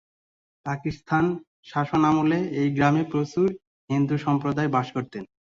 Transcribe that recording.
পাকিস্তান শাসনামলে এই গ্রামে প্রচুর হিন্দু সম্প্রদায় বাস করতেন।